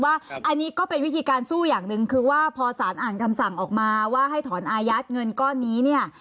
อันนี้ก็เป็นวิธีการสู้อย่างหนึ่งคือว่าพอสารอ่านคำสั่งออกมาว่าให้ถอนอายัดเงินก้อนนี้เนี่ย